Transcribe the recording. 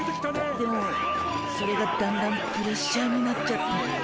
でもそれがだんだんプレッシャーになっちゃって。